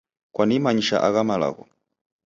Kwanimanyisha agha malagho